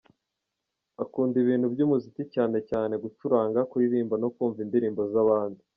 Akunda ibintu by’umuziki cyane cyane gucuranga, kuririmba no kumva indirimbo z’abandi .